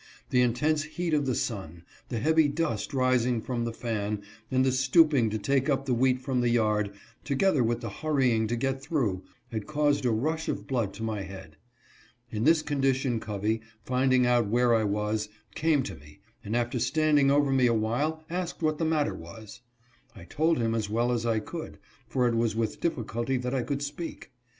The intense heat of the sun, the heavy dust rising from the fan, and the stooping to take up the wheat from the yard, together with the hurrying to get through, had caused a rush of blood to my head. In this condition Covey, finding out where I was, came to me, and after standing over me a while asked what the matter was. I told him as well as I could, for it 'was with difficulty that I could speak.